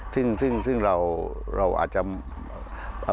ซึ่งเราอาจจะ